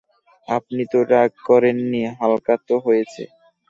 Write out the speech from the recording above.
আপনি তো রাগ করেন নি হালকা তো হয়েছি।